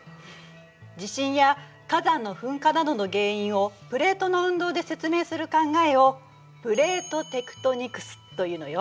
地震や火山の噴火などの原因をプレートの運動で説明する考えを「プレートテクトニクス」というのよ。